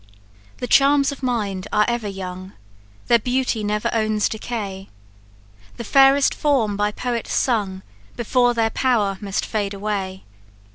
"The charms of mind are ever young, Their beauty never owns decay; The fairest form by poet sung, Before their power must fade away.